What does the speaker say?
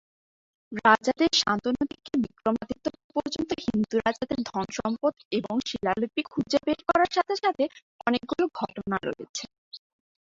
রাজাদের শান্তনু থেকে বিক্রমাদিত্য পর্যন্ত হিন্দু রাজাদের ধন-সম্পদ এবং শিলালিপি খুঁজে বের করার সাথে সাথে অনেকগুলি ঘটনা রয়েছে।